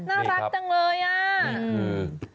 น่ารักจังเลยอ่ะ